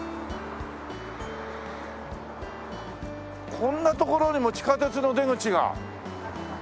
こんな所にも地下鉄の出口が。